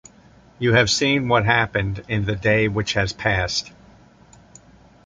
You have seen what happened in the day which has passed.